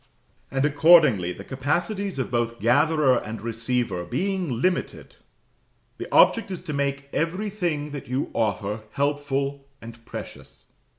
And accordingly, the capacities of both gatherer and receiver being limited, the object is to make everything that you offer helpful and precious.